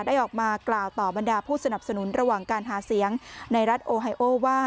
ได้ออกมากล่าวต่อบรรดาผู้สนับสนุนระหว่างการหาเสียงในรัฐโอไฮโอว่า